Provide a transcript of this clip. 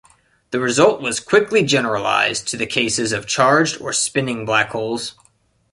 The result was quickly generalized to the cases of charged or spinning black holes.